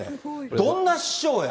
どんな師匠や。